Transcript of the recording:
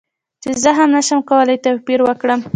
چې زه هم نشم کولی توپیر وکړم